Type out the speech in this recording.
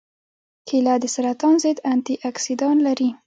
کېله د سرطان ضد انتياکسیدان لري.